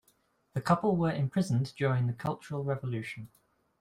The couple were imprisoned during the Cultural Revolution.